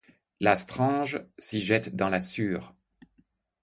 La Strange s’y jette dans la Sûre.